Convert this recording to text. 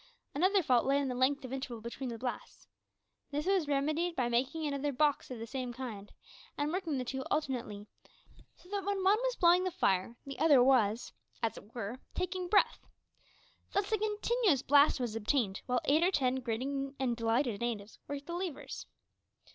Another fault lay in the length of interval between the blasts. This was remedied by making another box of the same kind, and working the two alternately, so that when one was blowing the fire, the other was, as it were, taking breath. Thus a continuous blast was obtained, while eight or ten grinning and delighted natives worked the levers.